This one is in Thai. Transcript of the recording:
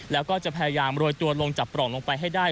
แล้วก็จะพยายามโรยตัวลงจากปล่องลงไปให้ได้